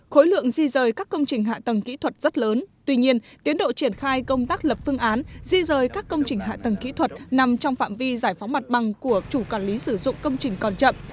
khối lượng di rời các công trình hạ tầng kỹ thuật rất lớn tuy nhiên tiến độ triển khai công tác lập phương án di rời các công trình hạ tầng kỹ thuật nằm trong phạm vi giải phóng mặt bằng của chủ quản lý sử dụng công trình còn chậm